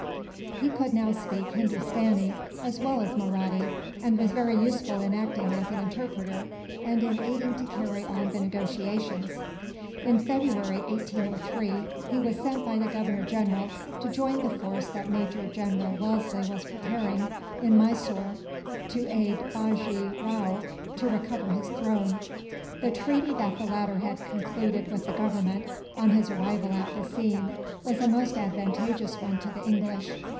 He could now speak Hindustani, as well as Mahratti; and was very useful in acting as an interpreter, and in aiding to carry on the negotiations. In February, 1803, he was sent by the Governor General to join the force that Major General Wellesley was preparing, in Mysore, to aid Bajee Rao to recover his throne. The treaty that the latter had concluded with the Government, on his arrival at Bassein, was a most advantageous one to the English.